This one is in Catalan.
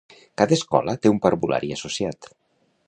Cada escola té un parvulari associat.